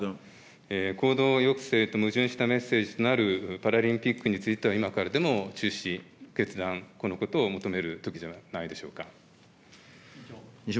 行動抑制と矛盾したメッセージとなるパラリンピックについては、今からでも中止決断、このことを求めるときではないでしょうか。